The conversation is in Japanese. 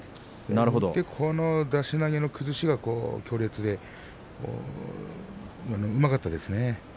出し投げの崩しが強烈にうまかったですね。